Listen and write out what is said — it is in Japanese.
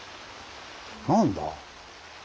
何だ？